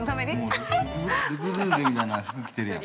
アハッ◆ル・クルーゼみたいな服着てるやん。